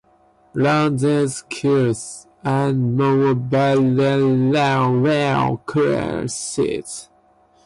Learn these skills and more by signing up for my in-person classes.